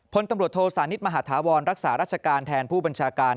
พลตำรวจโทสานิทมหาธาวรรักษาราชการแทนผู้บัญชาการ